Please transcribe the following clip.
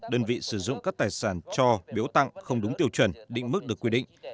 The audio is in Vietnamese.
đơn vị sử dụng các tài sản cho biếu tặng không đúng tiêu chuẩn định mức được quy định